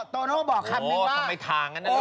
ตัโนะบอกคำหนึ่งว่า